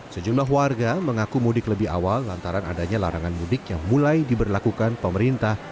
sejumlah warga mengaku mudik lebih awal lantaran adanya larangan mudik yang mulai diberlakukan pemerintah